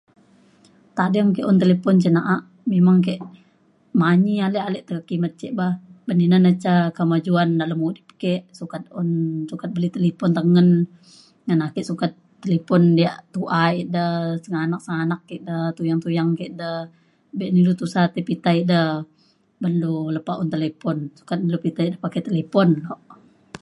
tading ke un talipon cin na’a memang ke manyi manyi ale te kimet ce bah. babn ina na ca kemajuan dalem udip ke sukat un sukat beli talipon tengen ngan ake sukat talipon yak tu’a ida sengganak sengganak ida tuyang tuyang ke da be na ilu tusah tai pita ida ban lu lepa un talipon. sukat na pita ida pakai talipon lok.